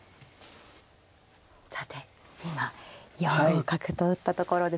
さて今４五角と打ったところです。